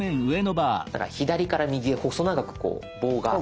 だから左から右へ細長く棒が。